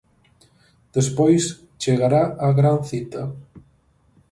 Despois, chegará a gran cita.